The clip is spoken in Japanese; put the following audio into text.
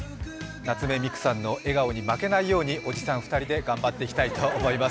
夏目三久さんの笑顔に負けないようにおじさん２人で頑張っていきたいと思います。